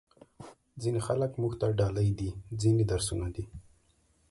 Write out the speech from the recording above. ځینې خلک موږ ته ډالۍ دي، ځینې درسونه دي.